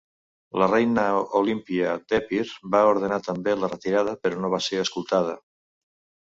La reina Olímpia d'Epir va ordenar també la retirada però no va ser escoltada.